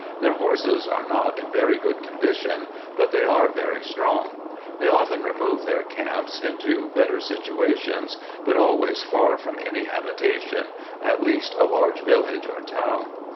Their horses are not in very good condition, but they are very strong. They often remove their camps into better situations, but always far from any habitation, at least a large village or town.